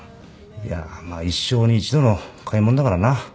いやまあ一生に一度の買い物だからな。